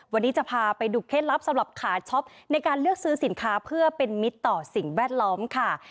วันนี้จะพาไปดูเคล็ดลับสำหรับขาช็อปในการเลือกซื้อสินค้าเพื่อเป็นมิตรต่อสิ่งแวดล้อมค่ะ